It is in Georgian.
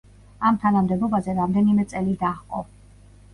ამ თანამდებობაზე რამდენიმე წელი დაჰყო.